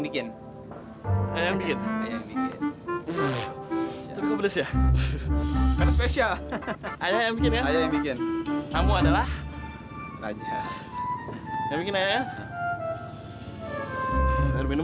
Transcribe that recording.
tidak ada apaan